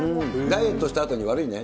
ダイエットしたあとに悪いね。